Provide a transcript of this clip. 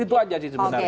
itu aja sih sebenarnya